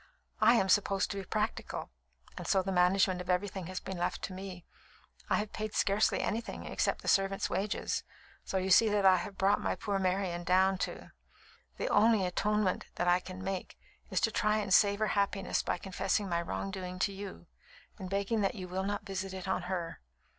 I am supposed to be practical, and so the management of everything has been left to me. I have paid scarcely anything, except the servants' wages, so you see what I have brought my poor Marian down to. The only atonement I can make is to try and save her happiness by confessing my wrongdoing to you and begging that you will not visit it on her."